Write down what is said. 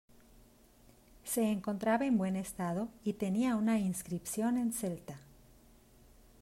Se encontraba en buen estado y tenía una inscripción en celta.